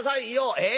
ええ？